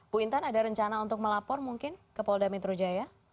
bu wintan ada rencana untuk melapor mungkin ke polda mitrujaya